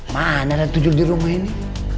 mana ada tujul dirumah ini